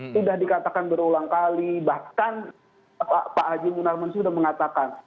sudah dikatakan berulang kali bahkan pak haji munarman sudah mengatakan